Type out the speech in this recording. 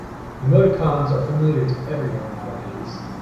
Emoticons are familiar to everyone nowadays.